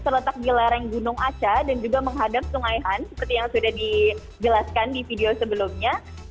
terletak di lereng gunung aca dan juga menghadap sungai han seperti yang sudah dijelaskan di video sebelumnya